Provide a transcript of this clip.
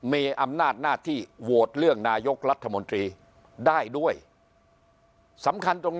มีอำนาจหน้าที่โหวตเลือกนายกรัฐมนตรีได้ด้วยสำคัญตรง